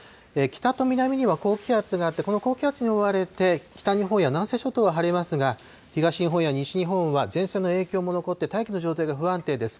北と南には高気圧があって、この高気圧に覆われて、北日本や南西諸島は晴れますが、東日本や西日本は前線の影響も残って、大気の状態が不安定です。